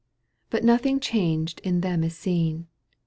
But nothing changed in them is seen.